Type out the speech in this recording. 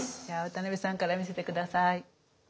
じゃあ渡辺さんから見せて下さい。